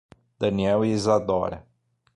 Daniel e Isadora